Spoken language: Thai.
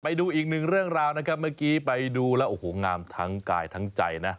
ไปดูอีกหนึ่งเรื่องราวนะครับเมื่อกี้ไปดูแล้วโอ้โหงามทั้งกายทั้งใจนะ